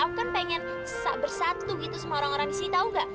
aku kan pengen bersatu gitu sama orang orang disini tau nggak